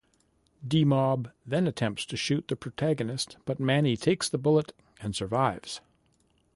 D-Mob then attempts to shoot The Protagonist but Manny takes the bullet and survives.